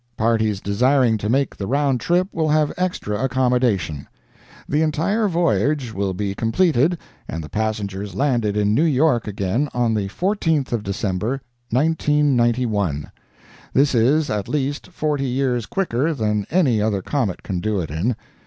Parties desiring to make the round trip will have extra accommodation. The entire voyage will be completed, and the passengers landed in New York again, on the 14th of December, 1991. This is, at least, forty years quicker than any other comet can do it in.